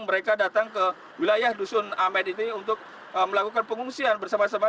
mereka datang ke wilayah dusun amed ini untuk melakukan pengungsian bersama sama